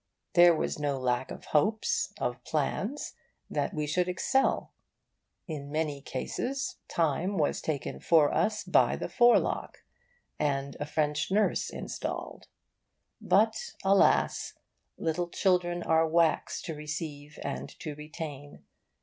There was no lack of hopes, of plans, that we should excel. In many cases Time was taken for us by the forelock, and a French nurse installed. But alas! little children are wax to receive and to retain.